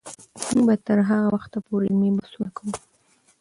موږ به تر هغه وخته پورې علمي بحثونه کوو.